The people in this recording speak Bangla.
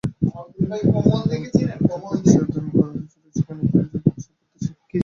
যে-বন থেকে তাকে ছেদন করা হয়েছিল, সেখানেই ফিরে যাবার সে প্রত্যাশী।